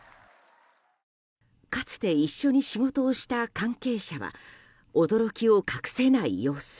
かつて一緒に仕事をした関係者は驚きを隠せない様子。